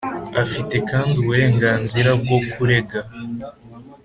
afite kandi uburenganzira bwo kurega